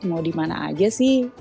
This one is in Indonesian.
mau di mana aja sih